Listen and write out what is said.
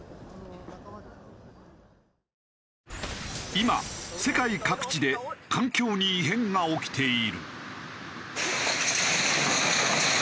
今世界各地で環境に異変が起きている。